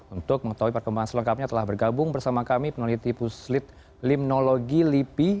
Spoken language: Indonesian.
untuk mengetahui perkembangan selengkapnya telah bergabung bersama kami peneliti puslit limnologi lipi